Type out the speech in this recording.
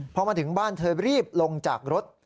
พอมาถึงบ้านเธอรีบลงจากรถ